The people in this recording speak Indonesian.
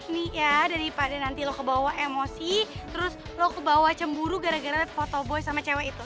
nih ya daripada nanti lo kebawa emosi terus lo kebawa cemburu gara gara foto boy sama cewek itu